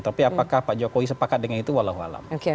tapi apakah pak jokowi sepakat dengan itu walau alam